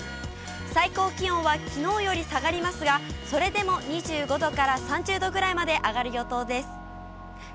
最高気温はきのうより下がりますが、それでも２５度から３０度ぐらいまで上がる予想です。